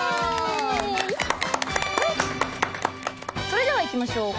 それではいきましょう。